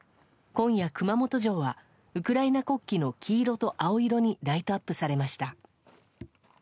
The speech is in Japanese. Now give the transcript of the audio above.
今夜、熊本城はウクライナ国旗の黄色と青色にライトアップされました。